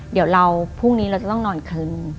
เดี๋ยวเราพรุ่งนี้เราจะต้องนอนคืน